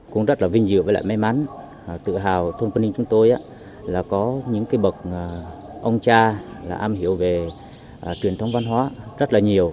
cũng rất là vinh dự với lại may mắn tự hào thôn con ninh chúng tôi là có những cái bậc ông cha là am hiểu về truyền thông văn hóa rất là nhiều